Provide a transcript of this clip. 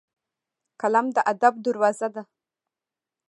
قلم د ادب دروازه ده